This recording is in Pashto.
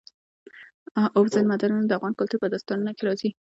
اوبزین معدنونه د افغان کلتور په داستانونو کې راځي.